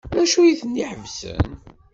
D acu ay ten-iḥebsen?